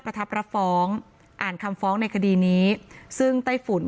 ประทับรับฟ้องอ่านคำฟ้องในคดีนี้ซึ่งไต้ฝุ่น